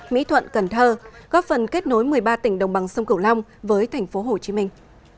mỹ thuận cần thơ góp phần kết nối một mươi ba tỉnh đồng bằng sông cửu long với thành phố hồ chí minh